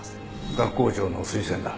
学校長の推薦だ